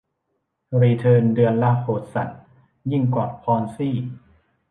รีเทิร์นเดือนละ โหดสัสยิ่งกว่าพอนซี่